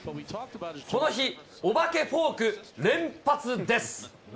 この日、お化けフォーク連発です。